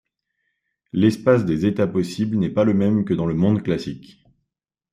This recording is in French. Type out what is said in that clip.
L'espace des états possibles n'est pas le même que dans le monde classique.